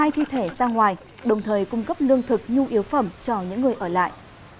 hai thi thể sang ngoài đồng thời cung cấp nương thực nhu yếu phẩm cho những người ở lại